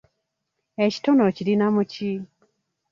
Ekitone okirina mu ki?